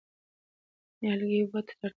نیالګي اوبو ته اړتیا لري.